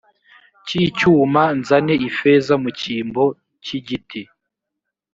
cy icyuma nzane ifeza mu cyimbo cy igiti